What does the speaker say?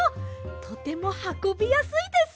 とてもはこびやすいです！